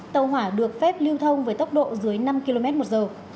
tàu hỏa được phép lưu thông với tốc độ dưới năm km một giờ